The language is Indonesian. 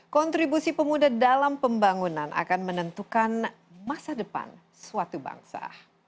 kontribusi pemuda dalam pembangunan akan menentukan masa depan suatu bangsa